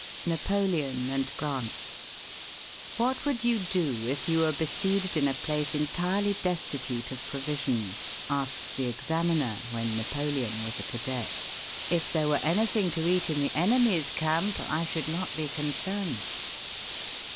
NAPOLEON AND GRANT. "What would you do if you were besieged in a place entirely destitute of provisions?" asked the examiner, when Napoleon was a cadet. "If there were anything to eat in the enemy's camp, I should not be concerned."